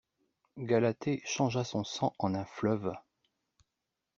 Galatée changea son sang en un fleuve.